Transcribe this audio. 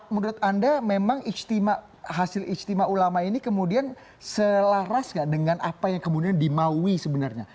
menurut anda memang istimewa hasil istimewa ulama ini kemudian selaras gak dengan apa yang kemudian dimaui sebenarnya